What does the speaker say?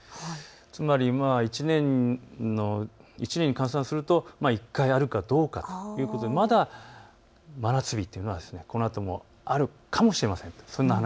つまり１年に換算すると１回あるかどうかということでまだ真夏日というのはこのあともあるかもしれません。